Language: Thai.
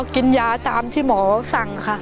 กินยารที่หมอสั่ง